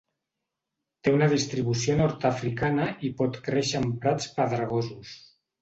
Té una distribució Nord-africana i pot créixer en prats pedregosos.